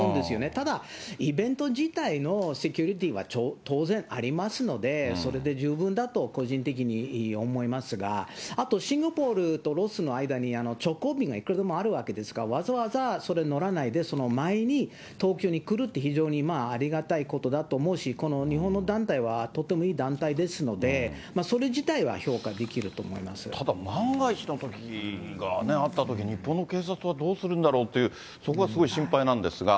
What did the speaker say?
ただ、イベント自体のセキュリティーは当然ありますので、それで十分だと、個人的に思いますが、あとシンガポールとロスの間に、直行便がいくらでもあるわけですから、わざわざそれ乗らないで、その前に東京に来るっていう、非常にありがたいことだと思うし、この日本の団体はとってもいい団体ですので、それ自体は評価できただ、万が一のときがね、あったとき、日本の警察はどうするんだろうという、そこがすごい心配なんですが。